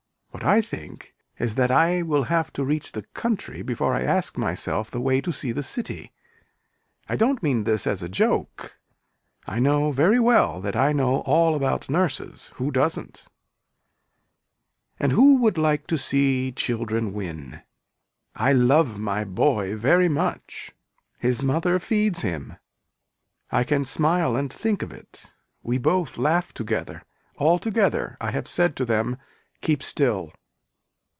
What I think is that I will have to reach the country before I ask myself the way to see the city. I don't mean this as a joke. I know very well that I know all about nurses. Who doesn't. And who would like to see children win. I love my boy very much. His mother feeds him. I can smile and think of it. We both laugh together. Altogether I have said to them keep still.